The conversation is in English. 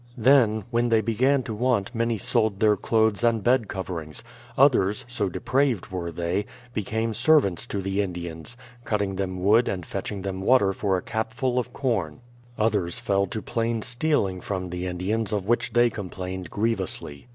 Then, when they began to want many sold their clothes and bed coverings; others, — so depraved were they, — became serv ants to the Indians, cutting them wood and fetching them water for a capfull of corn; others fell to plain stealing from the Indians of which they complained grievously.